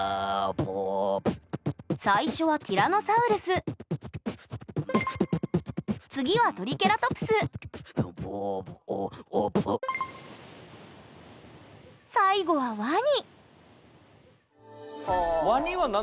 最初はティラノサウルス次はトリケラトプス最後はワニはあ。